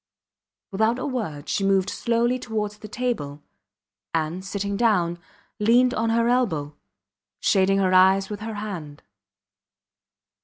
Without a word she moved slowly towards the table, and, sitting down, leaned on her elbow, shading her eyes with her hand.